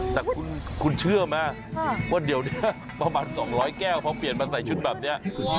แต่คุณเชื่อไหมว่าเดี๋ยวนี้ประมาณ๒๐๐แก้วพอเปลี่ยนมาใส่ชุดแบบนี้